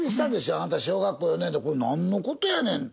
あなた小学校４年でこれなんのことやねん？と。